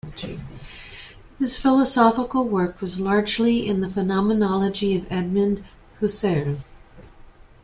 His philosophical work was largely in the phenomenology of Edmund Husserl.